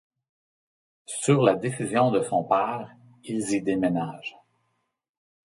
Sur la décision de son père, ils y déménagent.